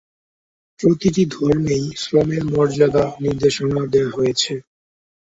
প্রতিটি ধর্মেই শ্রমের মর্যাদা নির্দেশনা দেওয়া হয়েছে।